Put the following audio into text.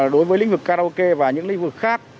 đối với lĩnh vực karaoke và những lĩnh vực khác